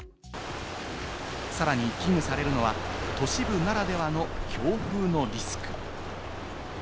さらに危惧されるのは、都市部ならではの強風のリスク。